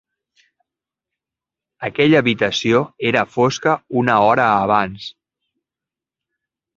Aquella habitació era fosca una hora abans.